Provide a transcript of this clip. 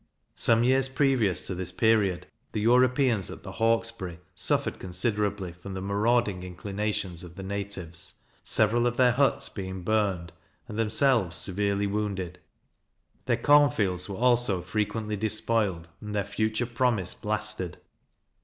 Some years previous to this period, the Europeans at the Hawkesbury suffered considerably from the marauding inclinations of the natives, several of their huts being burned, and themselves severely wounded; their corn fields were also frequently despoiled, and their future promise blasted.